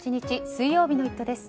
水曜日の「イット！」です。